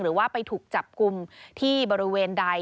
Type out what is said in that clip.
หรือว่าไปถูกจับกลุ่มที่บริเวณใด